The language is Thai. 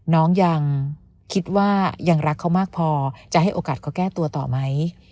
น้องยังคิดว่ายังรักเขามากพอจะให้โอกาสเขาแก้ตัวต่อไหม